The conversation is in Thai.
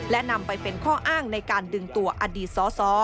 และนำไปเป็นข้ออ้างในการดึงตัวอดีตสอ